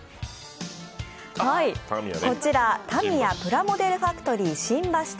こちら、タミヤプラモデルファクトリー新橋店。